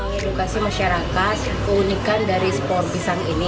mengedukasi masyarakat keunikan dari sepor pisang ini